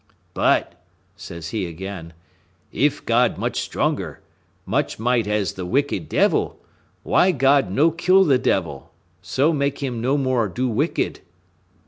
"But," says he again, "if God much stronger, much might as the wicked devil, why God no kill the devil, so make him no more do wicked?"